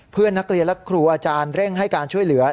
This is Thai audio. เพื่อนนักเรียนและครูอาจารย์เร่งให้การช่วยเหลือ